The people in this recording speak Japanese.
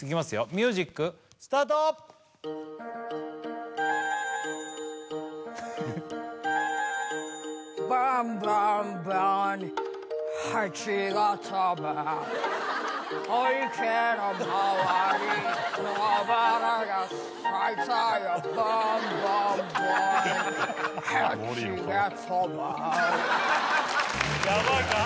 ミュージックスタートやばいか？